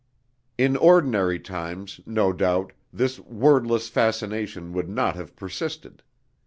IN ordinary times, no doubt, this wordless fascination would not have persisted.